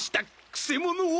くせ者は！